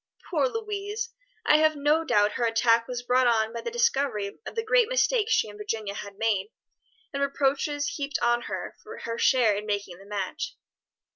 Poor Louise! I have no doubt her attack was brought on by the discovery of the great mistake she and Virginia had made, and reproaches heaped on her for her share in making the match."